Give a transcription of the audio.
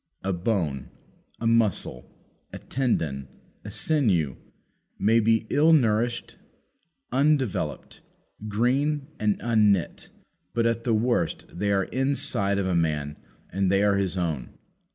A bone, a muscle, a tendon, a sinew, may be ill nourished, undeveloped, green, and unknit, but, at the worst, they are inside of a man and they are his own.